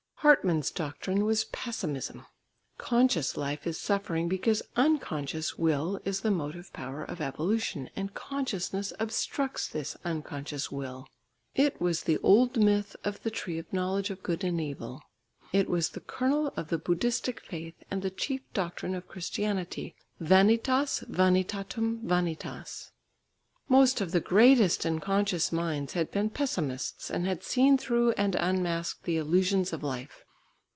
Hartmann's doctrine was pessimism. Conscious life is suffering because unconscious will is the motive power of evolution and consciousness obstructs this unconscious will. It was the old myth of the tree of knowledge of good and evil. It was the kernel of the Buddhistic faith and the chief doctrine of Christianity, "Vanitas, vanitatum vanitas." Most of the greatest and conscious minds had been pessimists, and had seen through and unmasked the illusions of life.